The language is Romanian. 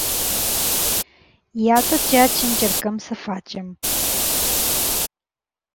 Iată ceea ce încercăm să facem.